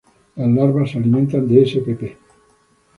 Las larvas se alimentan de spp.